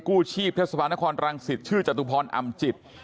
กู้ชีพเทศบาลนครรังสิตชื่อจตุพรอำจิต